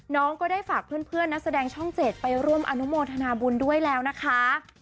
ก็ได้ฝากเพื่อนนักแสดงช่อง๗ไปร่วมอนุโมทนาบุญด้วยแล้วนะคะ